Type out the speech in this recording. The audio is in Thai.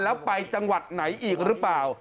แล้วไปจังหวัดไหนอีกหรือเปล่า